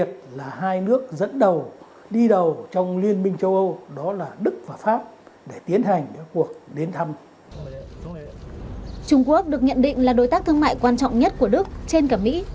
trung quốc được nhận định là đối tác thương mại quan trọng nhất của đức trên cả mỹ